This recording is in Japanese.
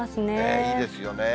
いいですよね。